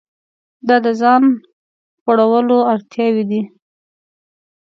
دا د ځان غوړولو اړتیاوې دي.